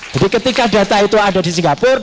jadi ketika data itu ada di singapura